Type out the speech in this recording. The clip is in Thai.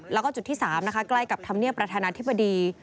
แล้วก็จุดที่๓นะคะใกล้กับธรรมเนียบประธานาธิบดี